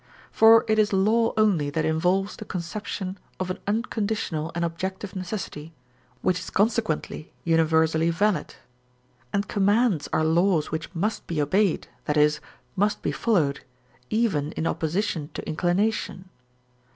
For it is law only that involves the conception of an unconditional and objective necessity, which is consequently universally valid; and commands are laws which must be obeyed, that is, must be followed, even in opposition to inclination.